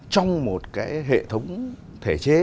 trong một cái hệ thống thể chế